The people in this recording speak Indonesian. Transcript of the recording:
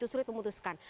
sudah sulit memutuskan